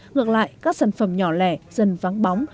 ngược lại các sản phẩm nhỏ lẻ dần vắng bóng